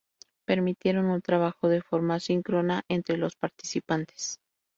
Permitiendo un trabajo de forma asíncrona entre los participantes.